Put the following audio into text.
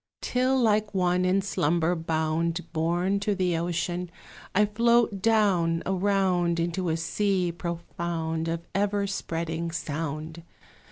Till, like one in slumber bound, Borne to the ocean, I float down, around, Into a sea profound, of ever spreading sound.